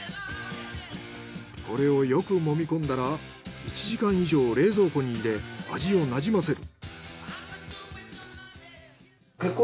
これをよく揉み込んだら１時間以上冷蔵庫に入れ味を馴染ませる。